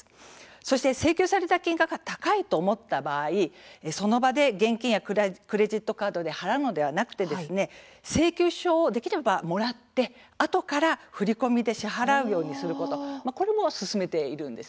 そして、請求された金額が高いと思った場合、その場で現金やクレジットカードで払うのではなくできれば請求書をもらってあとから振り込みで支払うようにすること、これも勧めているんです。